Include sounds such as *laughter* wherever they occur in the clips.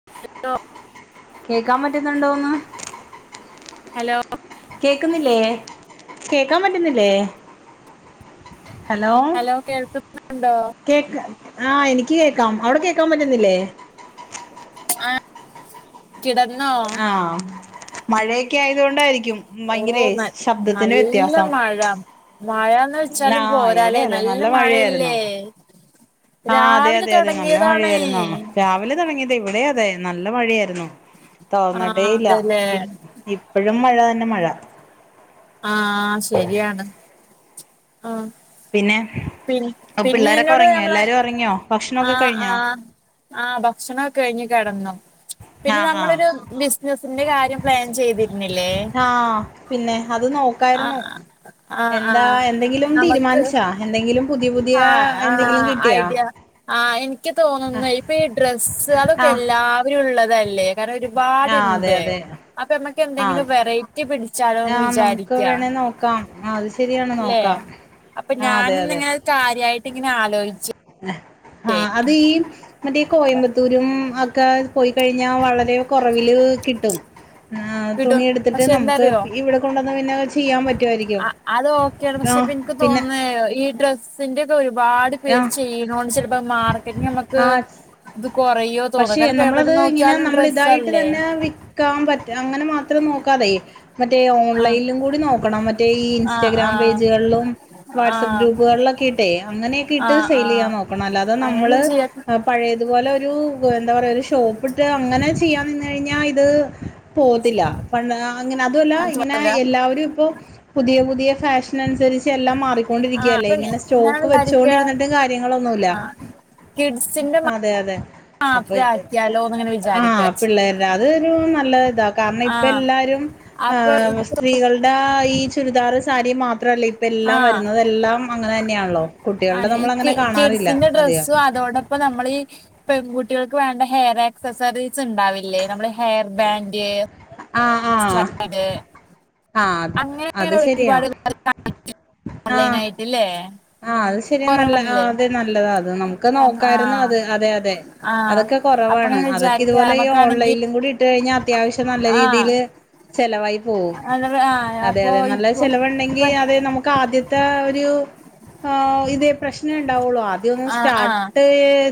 *unintelligible* കേക്കാൻ പറ്റ്ന്ന്ണ്ടോന്ന്? ഹലോ കേക്ക്‌ന്നില്ലേ? കേക്കാൻ പറ്റ്ന്നില്ലേ? ഹലോ കേൾക്ക്‌ന്ന്ണ്ടോ? കേക്ക ആഹ് എനിക്ക് കേക്കാം അവ്ടെ കേക്കാൻ പറ്റ്ന്നില്ലേ? ആഹ് കിടന്നോ? ആഹ് മഴയൊക്കെ ആയത് കൊണ്ടാരിക്കും ഓ ഭയങ്കരെ ന ശബ്ദത്തിന്റെ നല്ല വ്യത്യാസം. മഴ മഴന്ന് ആ വെച്ചാലും ഇവിടെ പോരാലേ അതെ നല്ല മഴയായിരുന്നു മഴല്ലേ? ആ അതെ രാവിലെ അതെ അതെ നല്ല തൊടങ്ങിയതാണേ മഴയായിരുന്നു രാവിലെ തൊടങ്ങിയത് ഇവ്ടെഅതെ നല്ല മഴയാരുന്നു ആ തോർന്ന്ട്ടേല്ല. അതെല്ലേ ഇപ്പഴും മഴ തന്നെ മഴ. ആഹ് ശെരിയാണ് ആഹ് പിന്നെ പിള്ളാരൊക്കെ എന്നോട് ഒറങ്ങിയോ? നമ്മള് എല്ലാരും ഒറങ്ങിയോ? ഭക്ഷണൊക്കെ കഴിഞ്ഞോ? ആഹ് ഭക്ഷണംക്കെ കഴ്ഞ്ഞു കെടന്നു. ആ പിന്നെ ആ നമ്മളൊര് ബിസിനസിന്റെ കാര്യം പ്ലാൻ ചെയ്തിര്ന്നില്ലേ? ആഹ് പിന്നെ അത് നോക്കാരുന്നു. ആ ആ എന്താ എന്തെങ്കിലും നമുക്ക് തീരുമാനിച്ചാ എന്തെങ്കിലും പുതിയ പുതിയ ആഹ് എന്തെങ്കിലും ആഹ് കിട്ടിയാ? ഐഡിയ ആഹ് എനിക്ക് തോന്ന്ന്നെ ഇപ്പ ഈ ഡ്രസ്സ് അതൊക്കെ ആഹ് എല്ലാവരുംള്ളതല്ലേ? വേറെ ആഹ് അതെ ഒര്പാട്ണ്ട് അതെ അപ്പ ഞമ്മക്ക് ആഹ് എന്തെലും വെറൈ റ്റി പിടിച്ചാലോന്ന് ആഹ് നമുക്ക് വിചാരിക്കാ വേണേ നോക്കാം ആഹ് അത് ശരിയാണ് ലേ നോക്കാം അപ്പ ആഹ് അതെ ഞാന് അതെ ന്നിങ്ങനെ അത് കാര്യായിട്ട് ഇങ്ങനെ ആലോയിച്ചേ ആഹ് അത് ഈ മറ്റേ കോയമ്പത്തൂരും അക്കെ പോയികഴിഞ്ഞാ വളരെ കൊറവില്കിട്ടും. കിട്ടും തുണിയെടുത്തിട്ട് പക്ഷെ നമുക്ക് എന്താറിയോ ഇവ്ടെ കൊണ്ടുവന്നാ പിന്നെ ചെയ്യാൻ പറ്റുവാരിക്കും. അ അത് ഓക്കെയാണ് പക്ഷെ ഇപ്പ എനിക്ക് തോന്നേ ഈ ഡ്രസ്സ്. ന്റെക്കെ ഒരുപാട് പേര് ആഹ് ചെയ്യുണോണ്ട് ചിലപ്പോ മാർക്കറ്റി നമുക്ക് ആഹ് ഇത് കുറയും. പക്ഷെ നമ്മളത് ഇങ്ങനെ നമ്മള് ഇതായിട്ട് ഡ്രസ്സല്ലേ തന്നെ. ക്കാൻ പറ്റ അങ്ങനെ മാത്രം നോക്കാതെ. മറ്റേ ആഹ് ഓൺലൈനിലും കൂടി നോക്കണം മറ്റേ ഈ ആഹ് ഇൻസ്റ്റാഗ്രാം പേജുകളിലും. ആഹ് വാട്സആപ്പ് ആഹ് ഗ്രൂപ്പുകളിലൊക്കെ ഇട്ടെ അങ്ങനൊക്കെ ഇട്ട് ആഹ് സെയിൽ ചെയ്യാൻ ആഹ് നോക്കണം അല്ലാതെ നമ്മള്. അങ്ങനൊന്നും ചെയ്യാ പഴയതുപോലെ ഒരു എന്താ പറയുക ഒരു ഷോപ്പിട്ട് അങ്ങനെ ചെയ്യാ നിന് കഴിഞ്ഞാൽ ഇത്. പോകത്തില്ല പ അങ്ങനെ അതുമല്ല ഇങ്ങനെ പറ്റൂല എല്ലാവരും ഇപ്പൊ. പുതിയ പുതിയ ഫാഷൻ അനുസരിച്ച് എല്ലാം മാറി. ആഹ് ക്കൊണ്ടിരിക്കല്ലേ അപ്പൊ ഇങ്ങനെ ഞാൻ സ്റ്റോക്ക് വിചാരിക്കാ വെച്ചൊണ്ടിരുന്നിട്ടും കാര്യങ്ങളൊന്നുല്ല. ആഹ് കിഡ്സിന്റെ അതെ അതെ അപ്പൊ മാത്രം ആക്കിയാലോന്ന് ഇങ്ങനെ വിചാരിക്കാ ആഹ് പിള്ളേരുടെ അതൊരു നല്ല ഇതാ കാരണം ഇപ്പ ആഹ് എല്ലാരും. അപ്പൊ ആഹ് എനിക്ക് സ്ത്രീകൾ. അടെ ഈ ചുരിദാർ സാരി മാത്രല്ല ഇപ്പ എല്ലാം വരുന്നത് എല്ലാം അങ്ങനെ തന്നെയാണല്ലോ. ആഹ കുട്ടികളുടെ ഈ നമ്മളങ്ങനെ കിഡ് കാണാറില്ല കിഡ്സിന്റെ അധികം ഡ്രസ്സും അതോടെ. ഇപ്പ നമ്മളീ പെൺകുട്ടികൾക്ക് വേണ്ട ഹെയർ എക്സസറീസ് ഉണ്ടാവില്ലേ നമ്മ ഹെയ. ബാൻഡ്. ആഹ ആഹ സ്ട്രൈഡ് ആഹ അങ്ങനെ അത് അങ്ങനെ ശരിയാ. *inaudible* ഓൺലൈൻ ആയിട്ടില്ലേ. ആഹ അത് ശെരി നല്ല ആഹ കൊറവാണില്ലേ അതെ നല്ലതാ അത് നമുക്ക് നോക്കായിരുന്നു ആഹ് അത് അതെ അതെ. ആഹ് അതൊക്കെ അപ്പൊ കുറവാണ് അങ്ങനെ അതൊക്കെ വിചാരിക്ക ഇതുപോലെ ഈ നമുക്കാണെങ്കി ഓൺലൈനിലും കൂടി ഇട്ട് കഴിഞ്ഞാൽ അത്യാവശ്യം നല്ല ആഹ് രീതിയില്. ചെലവായി പോകും അ ആഹ് അതെ അപ്പൊ അതെ നല്ല ഇപ്പൊ ഇപ്പൊ ചെലവുണ്ടെങ്കിൽ അത് നമു. ആദ്യത്തെ ഒരു. ആഹ് ഇതേ. പ്രശ്നണ്ടാവുള്ളൂ ആദ്യമൊന്ന് ആഹ് ആഹ് സ്റ്റാർട്ട്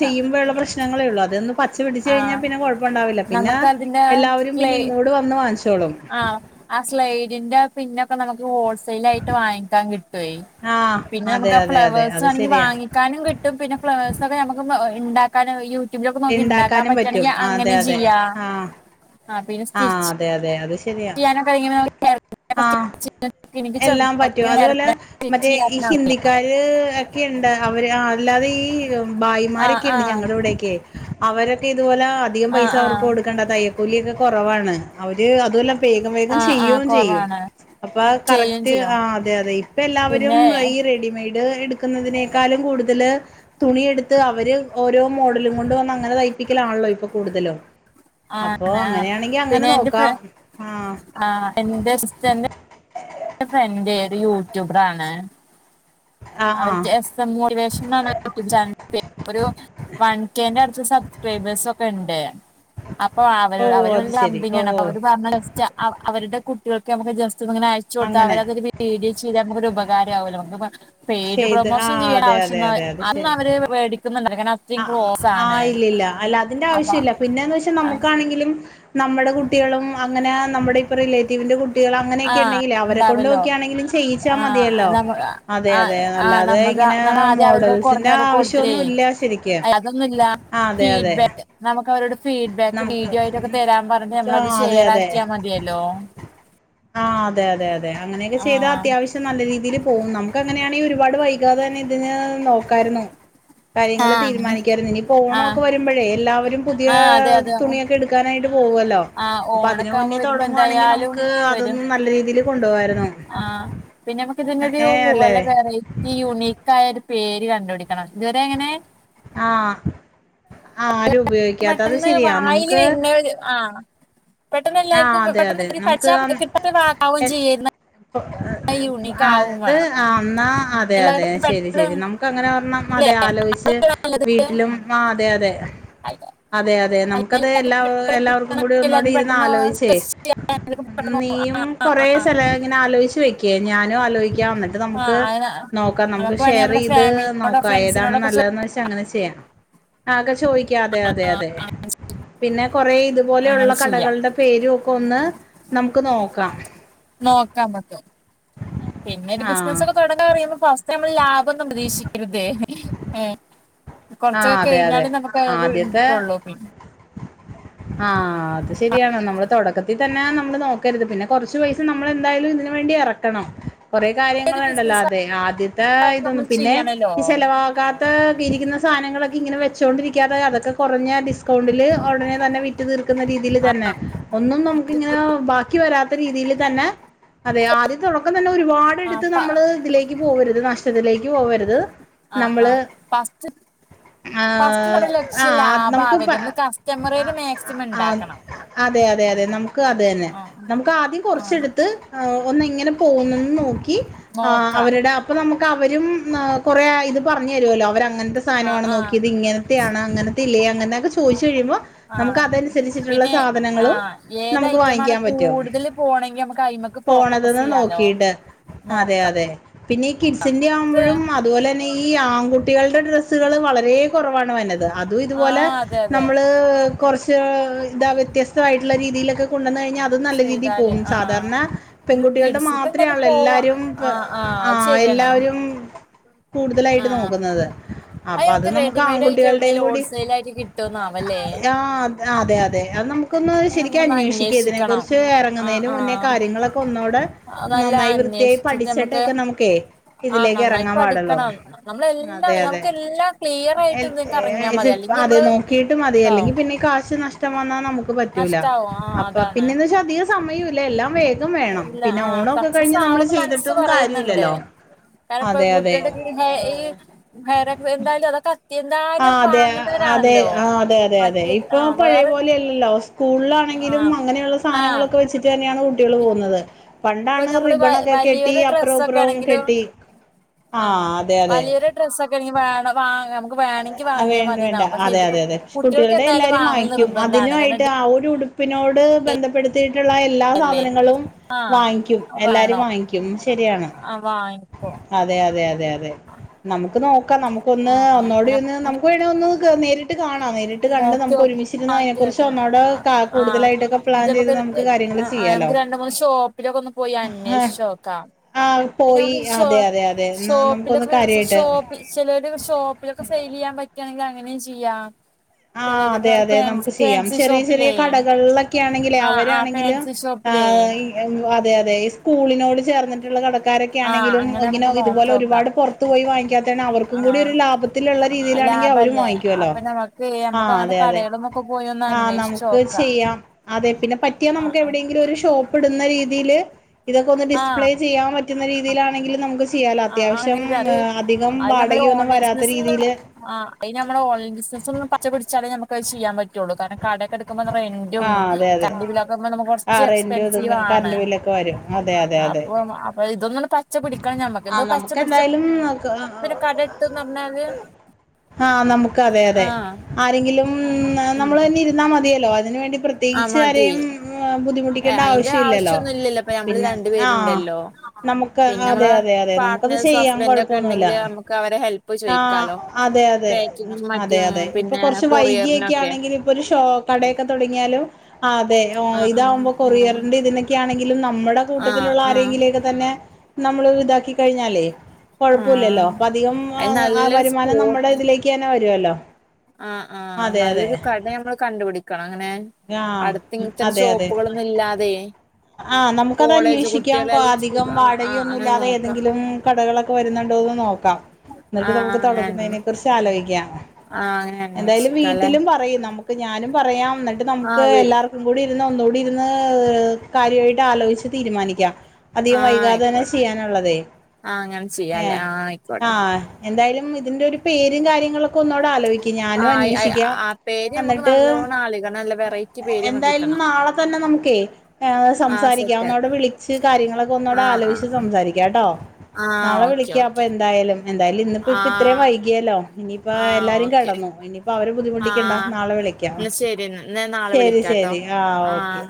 ചെയ്യുമ്പോഴുള്ള പ്രശ്നങ്ങളെ ഉള്ളൂ അതൊന്ന്. പച്ച പിടിച് കഴിഞ്ഞാൽ ആഹ് പിന്നെ കൊഴപ്പംണ്ടാവില്ല പിന്നെ നമുക്കതിന്റെ എല്ലാവരും സ്ലൈ പിന്നെ ഇങ്ങോട് വന്ന് വാങ്ങിച്ചോളും. ആഹ് ആഹ സ്ലൈഡിന്റെ പിന്നൊക്കെ നമുക്ക് ഹോൾസെൽ ആയിട്ട് വാങ്ങിക്കാൻ കിട്ടുവേ. ആഹ് പിന്നെ അതെ നമുക്ക് ആഹ അതെ അതെ ഫ്ലവേഴ്സ് അത് ആണെങ്കിൽ ശരിയാ വാങ്ങിക്കാനും കിട്ടും പിന്നെ ഫ്ലവേഴ്സ്ക്കെ നമുക്ക് ഇണ്ടാക. കാരണം യൂട്യൂബിലൊക്കെ നോക്കി ഉണ്ടാക്കാൻ ഇണ്ടാക്കാനും പറ്റും പറ്റണെങ്കിൽ അതെ അങ്ങനെ അതെ ചെയ്യാം ആഹ് ആഹ് പിന്നെ ആഹ് സ്റ്റിച്ച്. അതെ അതെ അത് ശരിയാ ചെയ്യാനൊക്കെ ഇങ്ങനെ ഹെയർ ബാൻഡൊക്കെ ആഹ് സ്റ്റിച്ച് ചെയ്തിട്ട് എനിക്ക് എല്ലാം ചെറുതായിട്ട് പറ്റും ഇങ്ങനെ ഹെയർ അതുപോലെ. ബാൻഡ് സ്റ്റിച്ച് മറ്റേ ഈ ചെയ്യാൻ അറിയാം. ഹിന്ദിക്കാര് ഒക്കെണ്ട് അവര് അല്ലാതെ ഈ ആ ഭായിമാരെ. ആ ഒക്കണ്ട്ഞങടെ ഇവിടേക്ക. അവരൊക്കെ ഇതുപോലെ അധികം ആ പൈസ ആ അവർക്ക് കൊടുക്കേണ്ട തയക്കൂലിഒക്കെ കുറവാണ്. അവര് അതുമല്ല വേഗം വേഗം ആ ആ ചെയും ചെയ്യും. കുറവാണ് അപ്പൊ ചെയ്യും കറക്റ്റ് ചെയ്യും ആ അതെ അതെ ഇപ്പ എല്ലാവരും പിന്നെ ഈ റെഡിമെയഡ് എടു. ക്കുന്നതിനേക്കാളും കൂടുതല്. തുണിയെടുത്ത് അവര് ഓരോ മോഡലും കൊണ്ട് വന്ന് അങ്ങനെ തൈപ്പിക്കലാണല്ലോ ഇപ്പൊ കൂടുതലും. ആ അപ്പൊ ആ അങ്ങനെയാണെങ്കി പിന്നെ അങ്ങനെ എന്റെ നോക്കാം ആ ആ എന്റെ സിസ്റ്ററിന്റെ. എന്റെ ഫ്രണ്ട് ഒര് യൂട്യൂബർ ആണ്. ആ ആ അവർക്ക് എസ് എം മോട്ടിവേഷൻ തന്നിട്ട് ഒരു. *unintelligible* വൺ കെന്റെ അടുത്ത് സബ്സ്ക്രൈബേഴ്സ് ഒക്കെ ഉണ്ട്. അപ്പൊ അവര് ഓ അവര് അത് വലിയ ശെരി ഓ അമ്പിനയാണ് ഓ അപ്പൊ അവര് പറഞ്ഞത് സ്റ്റാ അവരുടെ കുട്ടികൾക്ക് നമുക്ക് ജസ്റ്റ് ഇങ്ങനെ അയച്ചു കൊടുത്താ അങ്ങനെ അവരതണ്. വീഡിയോ ചെയ്താ നമുക്കൊരു ഉപകാരാവല്ലോ നമുക്ക് പെയ്ഡ് ചെയ്ത് ആ പ്രൊമോഷൻ ചെയ്യാൻ അതെ ആവശ്യം അതെ അതെ അത് ശരി അനവര്. മേടിക്കുന്നുണ്ട് കാരണം. ആ അത്രയും ക്ലോസ് ആണ് ആഹ് ഇല്ലല്ല അല്ല അതിന്റെ അപ്പൊ ആവശ്യം ഇില്ല പിന്നെന്ന് വെച്ചാ ആ നമുക്കാണെങ്കിലും. നമ്മുടെ കുട്ടികളും അങ്ങനെ നമ്മുടെ ഇപ്പൊ റിലേറ്റീവിന്റെ. കുട്ടികൾ അങ്ങനെയൊക്കെ ആഹ് ഉണ്ടെങ്കിൽ അവരെ കൊണ്ട് ഉണ്ടാവല്ലോ ഓക്കെയാണെങ്കിലും ചെയ്യിച്ചാൽ ആഹ് മതിയല്ലോ നമ്മ അതെ ആഹ് അതെ ആഹ് അല്ലാതെ. നമ്മക്ക് ഇങ്ങനെ നമ്മ ആദ്യം മോഡൽസിൻ്റെ ആവശ്യന്നുല്ല ശരിക്കും. അല്ല അതൊന്നുല്ല. ആഹ് അതെ അതെ നമുക്ക് അവരോട് ഫീഡ്ബാക്ക് നമുക്ക് വീഡിയോ ആയിട്ടൊക്കെ തരാൻ പറഞ്ഞഞ് ആ നമ്മളത് അതെ ഷെയർ അതെ ആക്കിയാൽ മതിയല്ലോ ആഹ് അതെ അതെ അതെ അങ്ങനെയൊക്കെ ചെയ്താ ആഹ് അത്യാവശ്യം നല്ല രീതിൽ പോകും നമുക്ക് അങ്ങനെയാണെങ്കിൽ ഒരുപാട് വൈകാതെ തന്നെ ഇതിന് നോക്കാരുന്നു കാര്യങ്ങള്ൾ ആഹ് അങ്ങനെ തീരുമാനിക്കായിരുന്നു ഇനി ആഹ് ഓണൊക്കെ വരുമ്പോഴേ എല്ലാവരും പുതിയ ആഹ് അതെ അതെ തുണിയൊക്കെ എടു ാനായിട്ട് പോകല്ലോ ആഹ് അപ്പൊ അതിന് ഓണൊക്കെ ആവുമ്പോ മുന്നേ വരുമ്പോ തുടങ്ങുവാണെങ്കിൽ എന്തായാലും നമുക്ക് വരും അതൊന്നും നല്ല രീതിയി കൊുണ്ടുപകരുന്നു ആഹ് പിന്നെ നമ്മക്ക് ഇതിനരു അല്ലേ വല ഈ യുണീക്ക് ആയ ഒരു പേര് കണ്ടുപിടിക്കണം ഇതുവരെങ്ങനെ ആഹ് ആ ആരും ഉപയോഗിക്കാത്ത അത് ശരിയാ നമുക്ക് ആഹ് പെട്ടെന്ന് ആഹ് എല്ലാവർക്കും അതെ പെട്ടെന്ന് അതെ ഇ പച്ച നമുക്ക് കിട്ടട്ട ആക്കാവും എ ചെയ്യുന്ന യൂണിക് *inaudible* ആവും അത് വേണം എന്നാ അതെ അതെ എല്ലാവർക്കും ശരി പെട്ടെന്ന് ശരി നമുക്ക് അങ്ങനെ പറണം അല്ലേ അതെ ആലോയ്ച്ച് അതല്ലേ നല്ലത് വീട്ടിലും ആഹ് അതെ അതെ അതെ അതെ നമുക്കത് എല്ല എല്ലാവർക്കും എല്ലാവർക്കും പെട്ടെന്ന് കൂടി ഒന്നുടി എല്ലാവർക്കും പെട്ടെന്ന് ആലോചിച്ചേ സെർച്ച് ചെയ്യാൻ എല്ലാവർക്കും പെട്ടെന്ന് ഒന്നേ ആ ആ കൊറെേ ആ സ്ഥലങ്ങെ ആലോയ്ച്ച് വെക്കേ ഞാനും ആലോയ്ക്ക വന്നിട്ട് ആ നമുക്ക് അങ്ങനെ നോക്കാം നമുക്ക് വേണമെങ്കിൽ ഷെയർ നമ്മുടെ ചെയ്ത് ഫാമിലിനോടോ നോക്കാം ഏതാണ് ഫ്രണ്ട്സിനോടൊക്കെ ചോ നല്ലയ്ന്ന് വെച്ചാൽ അങ്ങനെ ചെയ ആക്കെ ചോയ്ക്കാം അതെ അതെ ആ അതെ ആ പിന്നെ കൊറേ അങ്ങനെ ഇതുപോലെയുള്ള കടകൾ ചെയ്യാം എന്റെ പേരും ഒക്കെ ഒന്ന് നമുക്ക് നോക്കാം നോക്കാമ്മക്ക് പിന്നെ ഒരു ആ ബിസിനസൊക്കെ തുട പറയുമ്പോ ഫസ്റ്റ് നമ്മള് ലാഭംന്നും പ്രതീക്ഷിക്കരുത ഏഹ് ആ കൊറച്ചൊക്കെ അതെ അതെ കഴിഞ്ഞാലേ നമുക്ക് ആദ്യത്തെ ഇട്ടള്ളൂ പിന്നെ ആഹ് അത് ശരിയാണ് നമ്മെ തുടക്കത്തി ഇതന്നെയ നമ്മള് നോക്കരുത് പിന്നെ കുറച്ചു പൈസ നമ്മൾന്തായാലും ഇതിന് വേണ്ടി ഇറക്കണം കുറേ ഏത് കാര്യങ്ങളുണ്ടല്ലോ ബിസിനസ് അതെ ആദ്യത്തെ ആയാലും നമ്മൾ ഇതൊന്നും പിന്നെ ചെയ്യണല്ലോ ഈ ചെിലവാകാ തേ ഇരിക്കുന്ന സാനങ്ങളൊക്കെ ഇങ്ങനെ വെച്ചോണ്ടിരിക്കാതെ അതൊക്കെ കുറഞ്ഞ ഡിസ്കൗണ്ടില് ഉടനെ തന്നെ വി റ്റ് തീർക്കുന്ന രീതിയിൽ തന്നെ ഒന്നും നമുക്ക് ഇങ്ങനെ ബാക്കി വരാത്ത രീതിൽ തന്നെ അതെ ആദ്യത്തടക്കം തന്നെ ആ ഒരുപാടട്ത്ത് ആ നമ്മള് ഇതിലേക്ക് പോവരുത് നഷ് തിലേക്ക് പോകരുത് നമ്മള് പസ്റ്റ് *unintelligible* അവര് ടമ്മിൽ കസ്റ്റമറേല് ആഹ് മാക്സിമം ആഹ് ണ്ടാക്കണം അതെ അതെ അതെ നമുക്ക് അത തന്നെ നമുക്ക് ആദ്യം ആ കൊറച്ചെടുത്ത് ഒന്ന എങ്ങനെ പോകുന്നന്ന് നോക്കി ആഹ് നോക്കാം അവരുടെ പ്പം നമുക്ക് അവരും ഏഹ് കൊറേ ആയിത് പാർഞ് രല്ലോ അവര് അങ്ങൻത്തെ ആ സാനമാണ് ആ നോക്കിയത് ഇങ്ങൻത്തെയാണ് അങ്ങൻത്തെ ഇല്ലേ അങ്ങനെ ചോദിച്ചഴിയുമ്പോ ആ നമുക്ക് അതനുസരിച്ചിട്ടുള്ള പിന്നെ ആ സാധനങ്ങളും നമുക്ക് വാങ്ങിക്കാൻ പറ്റൊ പോണങ്കി നമക്ക് അയി്മക്ക് ഫോക്കസ് യ്യാലോ നോക്കാ തെ പിന്നെ കിഡ്സിൻന്റെ ആവ്മ്പഴും അതുപോലെന്നെ ഈ ആൺകുട്ടികൾടെ ഡ്രസ്സുകള് വളരെ കുറവാണ് വന്നത് അതും ആ ഇതുപോലെ അതെ അതെ നമ്മള് കുറച്ച് താ വ്യത്യസ്തായിട്ടുള്ള രീതിയിലൊക്കെ കൊണ്ടുന്ന ഴിഞ്ഞാ ത് നല്ല രീതിയിൽ ചെയ്താല് പോകും ആഹ് സാധാരണ ഒരു പെൺകുട്ടികൾടെ കിഡ്സിന്റെ എന്തായാലും മാത്രയാൺല്ലോ പോവാ എല്ലാരും പെ ആഹ് അത് ആഹ് ശരിയാണ് എല്ലാരും കൂടുതലായിട്ട് ആഹ് നോക്കുന്നത് അപ്പൊ അത് നമുക്ക് ആൺകുട്ടികളുടെയും കൂടി ല്ലായ്ട്ട് കിട്ടോന്നാവല്ലേ ആഹ് അതെ അതെ അത് നമു ക്കൊന്നോളി ശരിക്കും നമ്മളൊന്ന് അന്വേഷിക്ക ഇതിനെ അന്വേഷിക്കണം കുറിച്ച് ആഹ് ഇറങ്ങുന്നയ്ലും മുന്നേ ആഹ് കാര്യങ്ങളൊക്കെ ഒന്നോടെ നല്ല നന്നായി വൃത്തിയായി അന്വേഷിച്ചിട്ട് നമുക്ക് പഠിച്ചിട്ടൊക്കെ നമുക്കേ ആഹ് ഇതിലേക്ക് നന്നായിട്ട് ഇറങ്ങാൻ പാടല്ലോ പഠിക്കണം നമ്മളെല്ലാം അതെ അതെ നമുക്ക് എല്ലാം ക്ലിയർ ആയിട്ട് എൽ ഇതിക്ക് ഇറങ്ങിയാൽ ഏജ്‌ മതി അല്ലെങ്കിൽ അതെ നമ്മള് നോ ക്കീട്ട് മതി അല്ലെങ്കി ഇതാവും പിന്നെ കാശ് നഷ്ടം വന്നാ നമുക്ക് പറ്റൂല നഷ്ടാവും ആഹ് അപ്പൊ അതാണ് പിന്നെന്ന് വെച്ചാതീരെസ് സമയുല്ല എല്ലാം വേ തും വേണം ഇല്ല പിന്നെ ആ ഓണോക്കെ സക്സസ് കഴിഞ്ഞ് നമ്മൾ ആവുന്ന് മനസ്സ് ചെയ്തിട്ടും പറയുന്നുണ്ട് കാര്യല്ലല്ലോ അതെ അതെ എഹ് ഈ *unintelligible* ന്തായാലും അതൊക്ക ആഹ് അതെ അതെ ആഹ് അതെ അതെ അതെ മറ്റേത് ഇപ്പൊ ആ പഴയ വേറെ പോലെയല്ലല്ലോ സ് ആ സ്കൂൾളാണെങ്കിലും അങ്ങനെയുള്ള ആ സാനങ്ങളൊക്കെ വെച്ചിട്ട്ന്നെയാണ് കുട്ടികള് പോകുന്നത് ഇപ്പൊ പണ്ടാണ് നമ്മള് വ റിബണോക്കെ കെട്ടി വലിയൊരു അപ്പറം ഡ്രസ്സൊക്കെ ഇപ്പറവും ആണെങ്കിലും കെട്ടി ആ ആഹ് അതെ അതെ വലിയൊരു ഡ്രസ്സൊക്കെ എനി വേണ വാ നമുക്ക് വേണങ്കി ആഹ് വേണ്ട വേണ്ട അതെ അതെ അതെ കുട്ടികളുടെ എന്തായാലും എല്ലാരും വാങ്ങൽ വാങ്ങിക്കും നിർബന്ധമാണ് കാരണം അതിനുവായിട്ട് ഡേ ആഹ് രു ഉടു പിനോട് ബന്ധപ്പെട് ത്തിട്ടുള്ള എല്ലാ അല്ലേ സാധനങ്ങളും ആ വാങ്ങിക്കും എല്ലാരും വാങ്ങിക്കും ശരിയാണ് അഹ് വാങ് അതെ അതെ അതെ അതെ നമുക്ക് നോക്കാ നമുക്ക് ഒന്ന് ആ ഒന്നൂടി ആ നമുക്ക് വേണെ ഒന്ന് കെ നേരിട്ട് ട്ട് കാണാ നേരിട്ട് കണ്ട് നമുക്ക് നോക്കിയോക്ക് ഒരുമിച്ചിരുന്നു അതിനെ ആക്കി കുുറിച്ച് വെക്കണം ഒന്നൂടെ കാ കൂടുതലായിട്ടൊക്കെ പ്ലാൻ ചെയ്ത് നമുക് എഹ് അഹ് ആഹ് ഞമുക്ക് രണ്ട് മൂന്ന് ഷോപ്പിലൊക്കെ ഒന്ന് പോയി ആ അന്വേഷിച്ചോക്കാ ആ, പിന്നെ പോയി മക് ഷോ അതെ അതെ അതെ എന്നാ നമുക്കൊന്ന് ഷോപ്പിലൊക്കെ കാര്യമായിട്ട് ഷോപ്പിൽ ചിലര് ഷോപ്പിലൊക്കെ സെയിൽ യ്യാൻ പറ്റാണെങ്കിൽ അങ്ങനെയും ചെയ്യാം ആഹ് ചിലര് അതെ ഇപ്പ അതെ ഫാൻസി നമുക്ക് ചെയ്യാം ഫാൻസി ചെറിയ ചെറിയ ഷോപ്പിലേ കടകളിലൊക്കെ ആണെങ്കില് ആഹ് ആഹ് അവരാണെങ്കില് ഫാൻസി ഷോപ്പിലേ ആഹ് ഇ അതെ അതെ ഈ സ്കൂളിനോട് ചേർന്നിട്ടുള്ള കടക്കാരൊക്കെ. ഒക്ക ആഹ് ആണെങ്കിലും അങ്ങനെ ഇങ്ങനെ നമുക്ക് നോക്കി ഇതുപോലെ ഒരുപാട് നോക്കാം പുറത്ത് പോയി വാങ്ങിക്കാത്തതാണ്. അവർക്കും കൂടി ആഹ് ഒരു ലാഭത്തി ത്തിലുള്ള രീതിയിലാണെങ്കിൽ അവരും ലാഭല്ലേ വാങ്ങിക്കുവല്ലോ. അപ്പൊ നമുക്ക് ആ നമുക്ക് അങ്ങനത്തെ അതെ അതെ കടകളുമൊക്കെ പോയി ഒന്ന് ആഹ അന്വേഷിച്ച് നമുക്ക് നോക്കാം ചെയ്യാം അതെ പിന്നെ പറ്റ ക ആഹ് നുക്ക് ആഹ് എവിയെങ്കിലും ഒരു ഷോ പൊടുനരിതില് ആഹ് ടിസ്പ്ലേ ചെയ്യാൻ പറ്റുന്ന രിതിലണകിൽ നമുക്ക് ചെയ്യാല ആഹ് അത്യാവശ്യം ആണെങ്കിൽ അത് അധികം നമ്മള് വാടകയൊന്നും ഓൺലൈൻ വരാത്ത ബിസിനസ് രീതിയിയില്. ആ അത് നമ്മള് ഓൺലൈ ബിസിനസ്സ ഒും പച്ച പിടിച്ചാലേ നമുക്കത് ചെയ്യാൻ പറ്റയുള്ളൂ കാട കടൊക്കെ എടുക്ക് പോ. ത്രേ ആഹ് അതെ അതെ കണ്ടിലക്ക്പ ന ആ കൊറച്ച് റെന്റും ഇതും എക്സ്പെൻസീവാണ് കറണ്ട് ബില്ലൊക്കെ വരും അതെ അതെ അതെ അപ്പ ഇതൊന്ന് പച്ച കുടിക്കാണും ഞമ്മക്ക് ആ ഇത് പച്ച നമുക്ക് പിടിച്ച എന്തായാലും. പിന്നെ കട ഇട്ട്ന്ന് പറഞ്ഞാല് ആഹ നമുക്ക് അതെ അതെ ആഹ് ആരെങ്കിലും നമ്മൾ തന്നെ ഇരുന്നാൽ മതിയല്ലോ അതിന് വേണ്ടി ആഹ് പ്രത്യേകിച്ച് മതി ആരെയും ബുദ്ധിമുട്ട പടിക്കേണ്ട ഏഹ് അയിന്റെ ആവശ്യ ഇല്ലല്ലോ ആവശ്യൊന്നും ഇപ്പൊ നമ്മള് പിന്നെ രണ്ടു ആഹ പേരുണ്ടല്ലോ നമുക്ക് പിന്നെ അതെ നമ്മള് അതെ അതെ നമുക്കത് പാർട്ട്നേഴ്സ് ചെയ്യാൻ ഹസ്ബൻഡ് ഒക്കെ കൊഴപ്പൊന്നുമല്ല ഉണ്ടെങ്കില് നമുക്ക് അവരെ ഹെൽപ്പ് ആ ചോയിക്കാലോ അതെ അതെ പാക്കിങ്ങും അതെ മറ്റും അതെ ഇപ്പൊ പിന്നെ കുറച്ച് വൈകിയൊക്കെ കൊറിയറിനൊക്കെ ആണെങ്കിലും. കടയൊക്കെ തുടങ്ങിയാലും ആ അതെ ഹ് ആഹ് ആഹ് ഇതകുമ്പോ കൊറിയറിന്റെ ഇതിനൊക്കെ ആണെങ്കിലും. നമ്മുടെ ആഹ് ആഹ് കൂട്ടത്തിലുള്ള ആഹ് ആരെങ്കിലൊക്കെ തന്നെ നമ്മള് വിത കഴിഞ്ഞല് കൊഴപ്പല്ല ഇല്ലോ ആഹ് അധികം അത് നല്ലൊരു ആവരുമനം നമുടെ ഇതിലെ ക് ന വരുവല്ലോ. ആ ആഹ അതെ നല്ലൊരു കട നമ്മൾ കണ്ടുപിടിക്കണം. അങ്ങനെ അടുത്ത് ആഹ ഇത്തരം അതെ അതെ ഷോപ്പുകളൊന്നും ഇല്ലാതെ ആഹ നമുക്കത് കോളേജ് അന്വേഷിക്കാം കുട്ടികള് അല്ലെങ്കിൽ സ്കൂൾ അധികം ആഹ് ആഹ് വാടകയൊന്നും അങ്ങനെ ല്ലാതെ നോക്കാം ഏതെങ്കിലും. കടകളൊക്കെ വരുന്നുണ്ടോന്ന് നോക്കാം എന്നിട്ട് നമുക്ക് ആഹ് അങ്ങനെ തുടക്കുന്നതിനെക്കുറിച്ച്. അലോക്കൃ ആഹ് അങ്ങനെ എന്തായാലും അന്വേഷിക്കാല്ലേ വീട്ടിലും പറയും നമുക്ക് ഞാനും പറയാം. ന നമുക്ക് ആഹ് വീ എല്ലാവർക്കും കൂടി ഇരുന്ന് ഒന്നുകൂടി ഇരുന്ന് കാര്യമായിട്ട് ആലോചിച്ച് തീരുമാനിക്കാം. അധികം ആഹ് വൈകാതെ തന്നെ ആയിക്കോട്ടെ ചെയ്യാനുള്ളത് ആഹ് അങ്ങനെ ഏ ചെയ്യാല്ലേ ആഹ് ആയിക്കോട്ടെ ആഹ എന്തായാലും ഇതിന്റെ ഒരു പേരും കാര്യങ്ങളൊക്കെ ഒന്നോട്ടെ ആലോയിക. പിന്നെ ഞാനും അന്വേഷിക്കാം എന്നിട്ട്. അലോയിക എന്തായാലും നാളെ തന്നെ നമുക്കേ ആഹ് സംസാരിക്കാം സെറ്റ് ഒന്നോടെ ആക്കാം വിളിച്ച് കാര്യങ്ങളൊക്കെ ഒന്നോടെ ആഹ് ആലോചിച്ച് ആഹ് സംസാരിക്കാം കേട്ടോ. ആഹ് നളെ ഓക്കെ വിളിക്ക അപ്പൊ ഓക്കെ എന്തായാലും. എന്തായാലും ഇന്നിപ്പോ ഇപ്പ ഇത്രയും ആഹ് വൈകിയല്ലോ ഇനിയിപ്പ ആഹ് എല്ലാരും ഓക്കെ കെടന്നു ഇനി. പ്പൊ അവരെ ബുദ്ധിമുട്ടിക്കണ്ട ആഹ് നാളെ വിളിക്കാം. എന്നാ ശെരിയെന്നാ ഇന്നായാൻ നാ ശെരി ശെരി ആ ഓക്കെ.